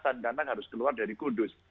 tanang harus keluar dari kudus